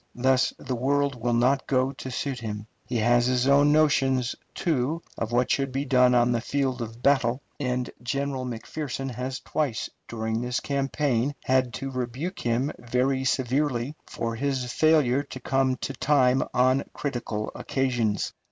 Thus the world will not go to suit him. He has his own notions, too, of what should be done on the field of battle, and General McPherson has twice during this campaign had to rebuke him very severely for his failure to come to time on critical occasions.